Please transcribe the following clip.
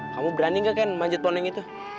kamu berani gak ken manjut pohon yang gitu